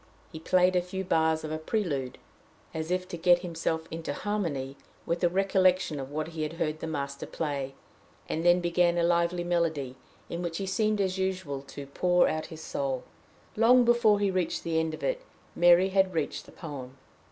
He played a few bars of a prelude, as if to get himself into harmony with the recollection of what he had heard the master play, and then began a lively melody, in which he seemed as usual to pour out his soul. Long before he reached the end of it, Mary had reached the poem.